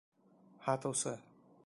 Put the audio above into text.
Һатыусы: